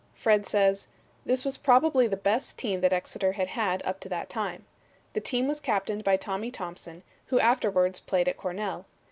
Fred says: "This was probably the best team that Exeter had had up to that time. The team was captained by Tommy Thompson, who afterwards played at Cornell.